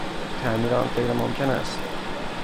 تعمیر آن غیرممکن است.